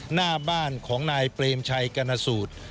หน้าบ้านของนายเปรมชัยกรณสูตร